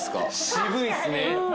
渋いですね。